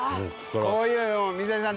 こういうの水谷さん